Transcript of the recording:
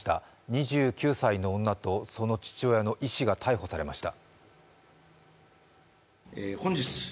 ２９歳の女とその父親の医師が逮捕されました。